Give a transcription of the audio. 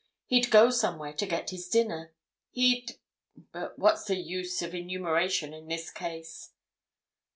He'd go somewhere to get his dinner. He'd—but what's the use of enumeration in this case?"